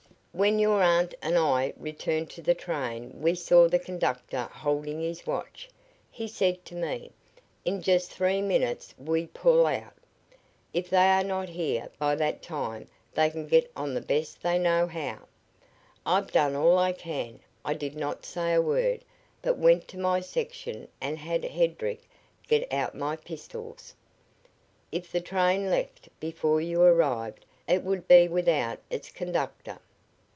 "When your aunt and I returned to the train we saw the conductor holding his watch. He said to me: 'In just three minutes we pull out. If they are not here by that time they can get on the best they know how. I've done all I can: I did not say a word, but went to my section and had Hedrick get out my pistols. If the train left before you arrived it would be without its conductor.